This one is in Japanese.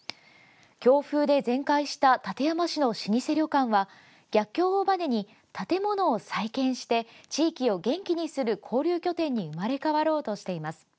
強風で全壊した館山市の老舗旅館は逆境をばねに建物を再建して地域を元気にする交流拠点に生まれ変わろうとしています。